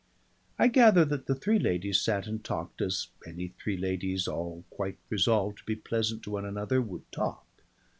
I gather that the three ladies sat and talked as any three ladies all quite resolved to be pleasant to one another would talk.